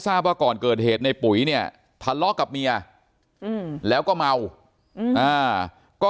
ว่าก่อนเกิดเหตุในปุ๋ยเนี่ยทะเลาะกับเมียแล้วก็เมาก็